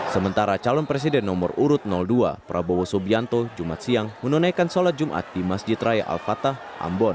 sementara calon presiden nomor urut dua prabowo subianto jumat siang menunaikan sholat jumat di masjid raya al fatah ambon